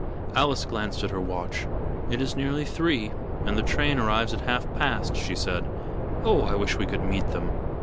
Alice glanced at her watch. "It's nearly three, and the train arrives at half past," she said. "Oh, I wish we could meet them."